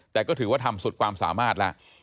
แต่ก็ถือว่าทำสุดความสามารถแล้ว